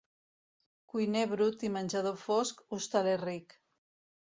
Cuiner brut i menjador fosc, hostaler ric.